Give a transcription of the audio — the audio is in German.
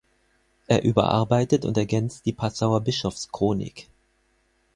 Er überarbeitet und ergänzt die Passauer Bischofschronik.